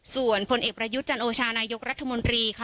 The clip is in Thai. ส่วนผลเอกประยุทธ์จันโอชานายกรัฐมนตรีค่ะ